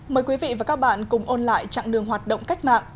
mời quý vị và các bạn cùng ôn lại chặng đường hoạt động cách mạng